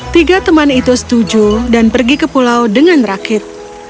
tiga teman itu setuju dan pergi ke pulau dengan rakit